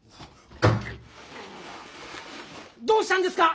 どうしたんですか